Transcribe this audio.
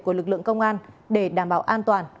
của lực lượng công an để đảm bảo an toàn